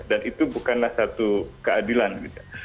dan itu bukanlah satu keadilan gitu